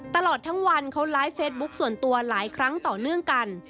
ตลอดทั้งวันเขาไลฟ์เฟซบุ๊คส่วนตัวหลายครั้งต่อเนื่องกัน